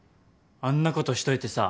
あんなことしといてさ。